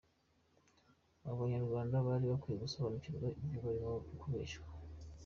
Abanyarwanda bari bakwiye gusobanukirwa ibyo barimo kubeshywa!